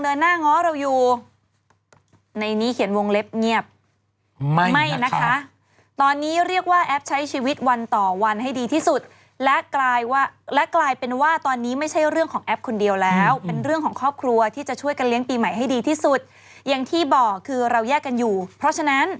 โดยบอกเจ้าของบ้านให้ทราบซึ่งทุกคนก็เชื่อสนิทว่าอ๋อจอมปู่กี้ต้องเป็นพญานาคเจอ